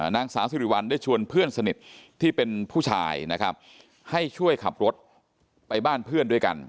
นางสาวสิริวัลได้ชวนเพื่อนสนิทที่เป็นผู้ชายนะครับให้ช่วยขับรถไปบ้านเพื่อนด้วยกัน